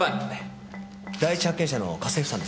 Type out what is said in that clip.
第一発見者の家政婦さんです。